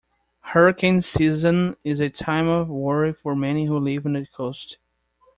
Hurricane season is a time of worry for many who live on the coast.